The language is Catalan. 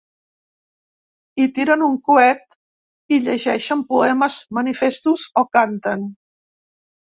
Hi tiren un coet i llegeixen poemes, manifestos o canten.